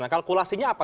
nah kalkulasinya apa